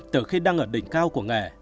từ khi đang ở đỉnh cao của nghệ